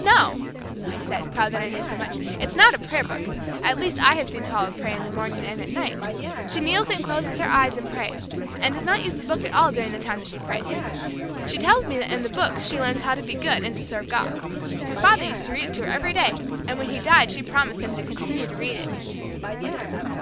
"No," I said, proud that I knew so much, "it's not a prayer book. At least I have seen Paula pray in the morning and at night. She kneels and closes her eyes and prays, and does not use the Book at all during the time that she prays. She tells me that in the Book she learns how to be good and to serve God. Her father used to read it to her every day, and when he died she promised him to continue to read it."